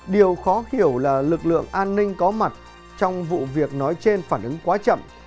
điều khó hiểu là lực lượng an ninh có mặt trong vụ việc nói trên phản ứng quá chậm